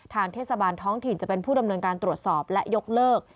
เทศบาลท้องถิ่นจะเป็นผู้ดำเนินการตรวจสอบและยกเลิก